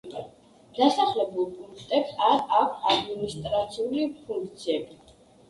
დასახლებულ პუნქტებს არ აქვთ ადმინისტრაციული ფუნქციები.